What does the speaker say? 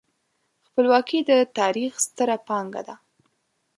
خپلواکي د تاریخ ستره پانګه ده.